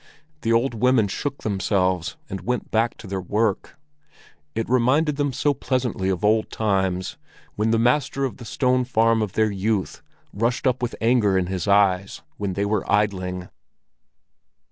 The old women shook themselves and went back to their work. It reminded them so pleasantly of old times, when the master of the Stone Farm of their youth rushed up with anger in his eyes when they were idling.